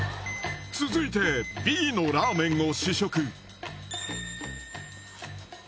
続いてＢのラーメンを試食